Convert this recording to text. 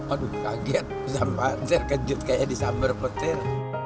aduh kaget sampai terkejut kayak disambar petir